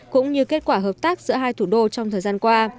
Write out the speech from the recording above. cũng như kết quả hợp tác giữa hai thủ đô trong thời gian qua